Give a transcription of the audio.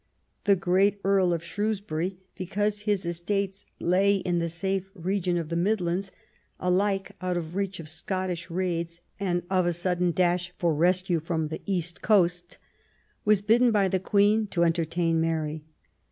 The great Earl of Shrewsbury, because his estates lay in the safe region of the Midlands, alike out of the reach of Scottish raids and of a sudden dash for rescue from the east coast, was bidden by the Queen to entertain Mary.